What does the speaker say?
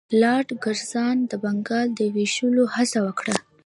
لارډ کرزن د بنګال د ویشلو هڅه وکړه.